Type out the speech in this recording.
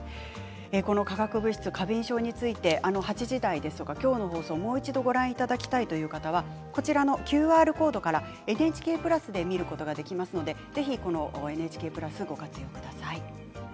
化学物質過敏症について８時台ですとか今日の放送をもう一度ご覧いただきたいという方はＱＲコードから、ＮＨＫプラスで見ることができますのでぜひＮＨＫプラスをご活用ください。